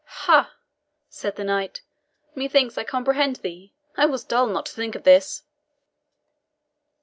"Ha!" said the knight, "methinks I comprehend thee. I was dull not to think of this!"